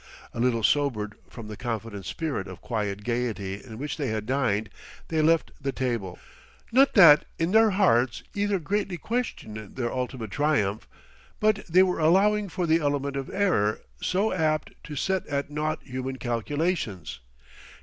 A little sobered from the confident spirit of quiet gaiety in which they had dined, they left the table. Not that, in their hearts, either greatly questioned their ultimate triumph; but they were allowing for the element of error so apt to set at naught human calculations.